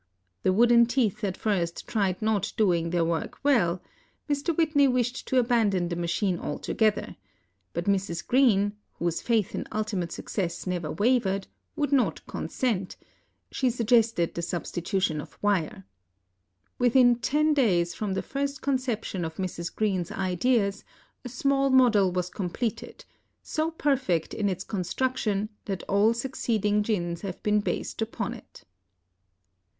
The wooden teeth at first tried not doing their work well, Mr. Whitney wished to abandon the machine altogether; but Mrs. Greene, whose faith in ultimate success never wavered, would not consent; she suggested the substitution of wire. Within ten days from the first conception of Mrs. Greene's ideas, a small model was completed, so perfect in its construction that all succeeding gins have been based upon it.